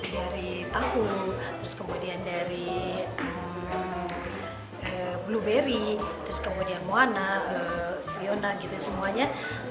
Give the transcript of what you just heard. dari tahu kemudian dari blueberry kemudian moana fiona gitu semuanya